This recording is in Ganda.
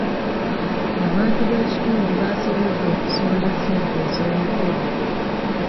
Abantu b'ekitundu baasobodde okusonda ssente ez'omukolo.